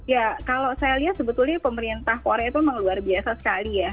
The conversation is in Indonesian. ya kalau saya lihat sebetulnya pemerintah korea itu memang luar biasa sekali ya